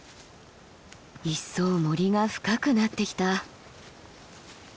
一層森が深くなってきた。